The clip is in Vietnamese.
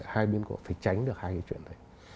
hai biến cố phải tránh được hai cái chuyện này